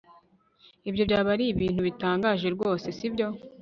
Ibyo byaba ari ibintu bitangaje rwose sibyo